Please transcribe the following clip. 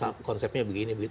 jadi konsepnya begini begitu